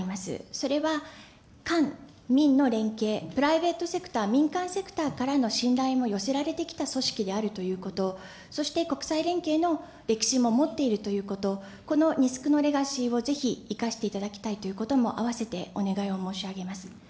それは官民の連携、プライベートセクター、民間セクターからの信頼も寄せられてきた組織であるということ、そして国際連携の歴史も持っているということ、こののレガシーを生かしていただきたいということもあわせてお願いを申し上げます。